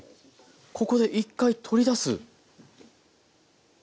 ここで１回取り出す？